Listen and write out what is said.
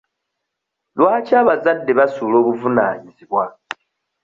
Lwaki abazadde basuula obuvunaanyizibwa?